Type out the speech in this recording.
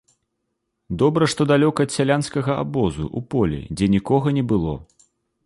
Добра, што далёка ад сялянскага абозу, у полі, дзе нікога не было.